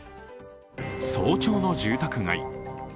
早朝の住宅街。